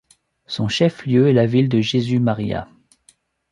Son chef-lieu est la ville de Jesús María.